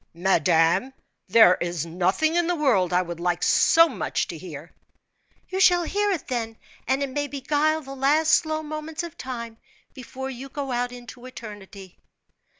"Madame, there is nothing in the world I would like so much to hear." "You shall hear it, then, and it may beguile the last slow moments of time before you go out into eternity."